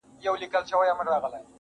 اوس مي ذهن كي دا سوال د چا د ياد~